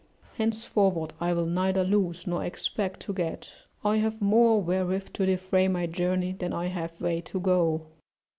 ["Henceforward I will neither lose, nor expect to get: I have more wherewith to defray my journey, than I have way to go."